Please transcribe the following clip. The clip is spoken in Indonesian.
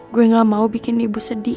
gue gak mau bikin ibu sedih